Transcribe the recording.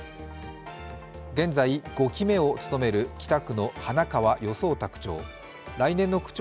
現在５期目を務める北区の花川與惣太区長。